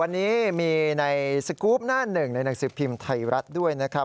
วันนี้มีในสกรูปหน้าหนึ่งในหนังสือพิมพ์ไทยรัฐด้วยนะครับ